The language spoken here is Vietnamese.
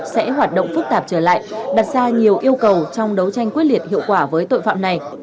sẽ hoạt động phức tạp trở lại đặt ra nhiều yêu cầu trong đấu tranh quyết liệt hiệu quả với tội phạm này